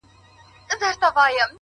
فکرونه د عملونو سرچینه ده؛